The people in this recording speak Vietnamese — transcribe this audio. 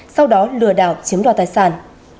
sau đó lừa đảo chiếm đoạt tài sản